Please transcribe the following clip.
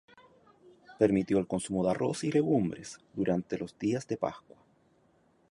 Permitió el consumo de arroz y legumbres, durante los días de Pascua.